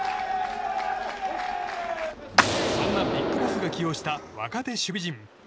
そんなビッグボスが起用した若手守備陣。